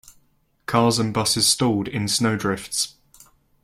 Cars and busses stalled in snow drifts.